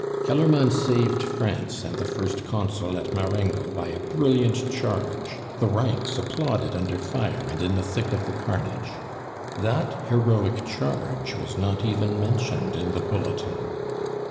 ... Kellermann saved France and the First Consul at Marengo by a brilliant charge; the ranks applauded under fire and in the thick of the carnage. That heroic charge was not even mentioned in the bulletin.